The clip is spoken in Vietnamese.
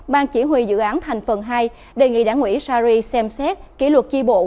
ban chỉ huy dự án thành phần hai đề nghị đảng ủy sari xem xét kỷ luật chi bộ